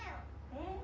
え？